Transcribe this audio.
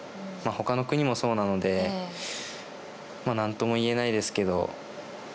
ほかの国もそうなので何とも言えないですけど。